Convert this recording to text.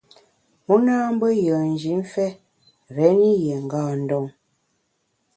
U nâ mbe yùen jimfe réni yié ngâ ndon.